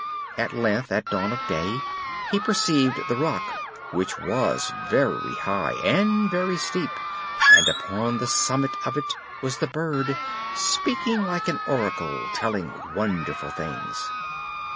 At length, at dawn of day, he perceived the rock, which was very high and very steep, and upon the summit of it was the bird, speaking like an oracle, telling wonderful things.